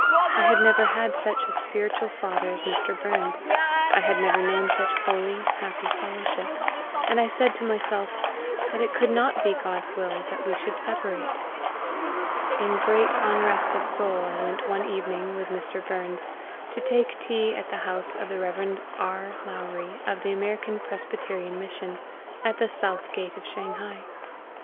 I had never had such a spiritual father as Mr. Burns; I had never known such holy, happy fellowship; and I said to myself that it could not be GOD'S will that we should separate. In great unrest of soul I went one evening, with Mr. Burns, to take tea at the house of the Rev. R. Lowrie, of the American Presbyterian Mission, at the South Gate of Shanghai.